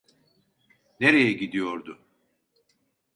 Nereye gidiyordu?